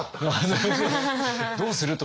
「どうする」とは。